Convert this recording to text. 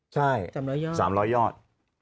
ใช่สามร้อยยอด